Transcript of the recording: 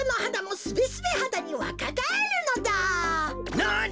なに！？